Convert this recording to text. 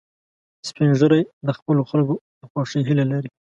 سپین ږیری د خپلو خلکو د خوښۍ هیله لري